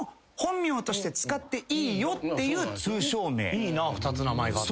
いいな２つ名前があって。